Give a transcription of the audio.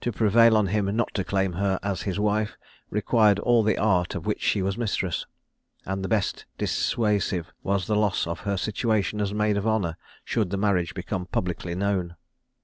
To prevail on him not to claim her as his wife required all the art of which she was mistress; and the best dissuasive was the loss of her situation as maid of honour, should the marriage become publicly known.